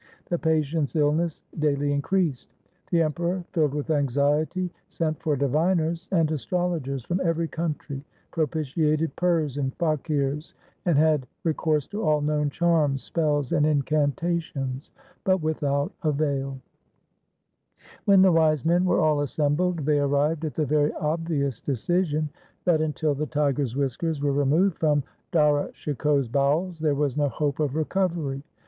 The patient's illness daily increased. The Emperor, filled with anxiety, sent for diviners and astrologers from every country, propitiated pirs and faqirs, and had recourse to all known charms, spells, and incantations, but without avail. 1 Ramkali, Ashtapadi. 2 Asa Chhant. 278 THE SIKH RELIGION When the wise men were all assembled, they arrived at the very obvious decision that, until the tiger's whiskers were removed from Dara Shikoh's bowels, there was no hope of recovery.